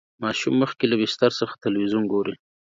ماشوم مخکې له بستر څخه تلویزیون ګوري.